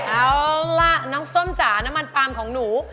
เอาล่ะน้องส้มจ๋าน้ำมันปาล์มของหนู